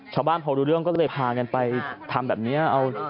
ชาวบ้านพอรู้เรื่องก็เลยพากันไปทำแบบนี้